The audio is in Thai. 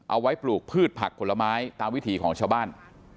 เอาไว้ปลูกพืชผักผลไม้ตามวิถีของชาวบ้าน